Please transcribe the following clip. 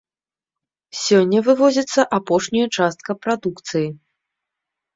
Сёння вывозіцца апошняя частка прадукцыі.